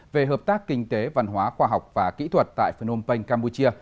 về hợp tác kinh tế văn hóa khoa học và kỹ thuật tại phnom penh campuchia